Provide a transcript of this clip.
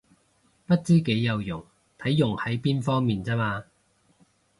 不知幾有用，睇用喺邊方面咋嘛